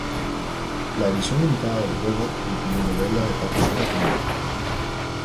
La edición limitada del juego incluye una novela de tapa dura con ella.